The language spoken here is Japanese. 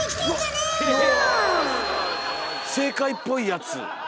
正解っぽいやつ。